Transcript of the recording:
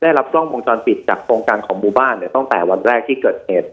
ได้รับกล้องวงจรปิดจากโครงการของหมู่บ้านเนี่ยตั้งแต่วันแรกที่เกิดเหตุ